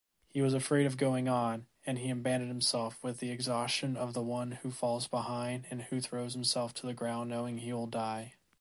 He was afraid of going on, and he abandoned himself with the exhaustion of the one who falls behind and who throws himself to the ground knowing he will die.